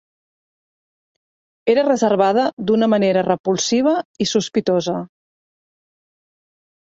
Era reservada d'una manera repulsiva i sospitosa.